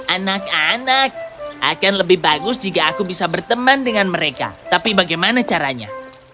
anak anak akan lebih bagus jika aku bisa berteman dengan mereka tapi bagaimana caranya